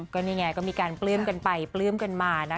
ก็นี่ไงก็มีการปลื้มกันไปปลื้มกันมานะคะ